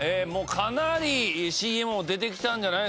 かなりＣＭも出てきたんじゃないですか？